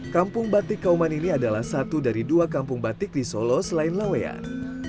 kampung batik kauman ini adalah satu dari dua kampung batik di solo selain laweyan